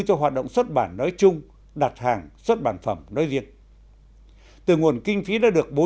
cho hoạt động xuất bản nói chung đặt hàng xuất bản phẩm nói riêng từ nguồn kinh phí đã được bố